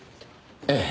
ええ。